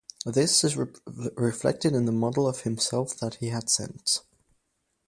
This is reflected in the model of himself that he had sent.